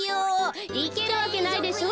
いけるわけないでしょ。